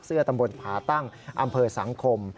ตำบลผาตั้งอำเภอสังคม